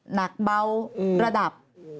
หนักเบาระดับ